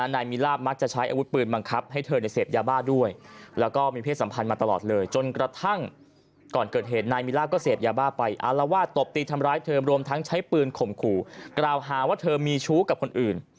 นายมีลาบมักจะใช้อาวุธปืนบังคับให้เธอเสพยาบ้าด้วยแล้วก็มีเพศสัมพันธ์มาตลอดเลยจนกระทั่งก่อนเกิดเหตุนายมีลาบก็เสพยาบ้าไปอารวาสตบตีทำร้ายเธอรวมทั้งใช้ปืนข่มขู่กล่าวหาว่าเธอมีชู้กับคนอื่น